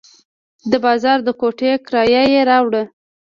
د بازار د کوټې کرایه یې راوړه.